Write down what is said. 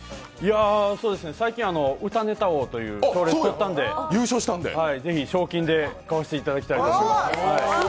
最近「歌ネタ王」で優勝したのでぜひ、賞金で買わせていただきたいと思います。